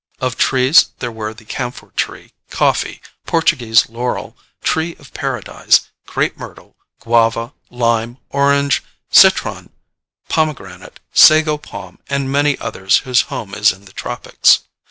Of trees there were the camphor tree, coffee, Portuguese laurel, "tree of Paradise," crape myrtle, guava, lime, orange, citron, pomegranate, sago palm and many others whose home is in the tropics.